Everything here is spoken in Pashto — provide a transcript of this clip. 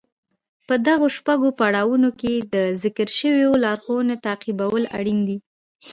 په دغو شپږو پړاوونو کې د ذکر شويو لارښوونو تعقيبول اړين دي.